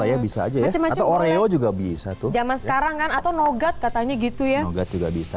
ya bisa aja ya atau oreo juga bisa tuh zaman sekarang kan atau nogat katanya gitu ya juga bisa